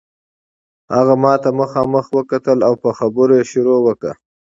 هغه ماته مخامخ وکتل او په خبرو یې شروع وکړه.